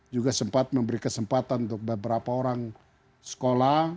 juga sempat memberi kesempatan untuk beberapa orang sekolah